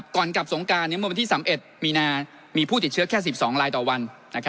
ก่อนกลับสงการเมื่อวันที่๑๑มีนามีผู้ติดเชื้อแค่๑๒ลายต่อวัน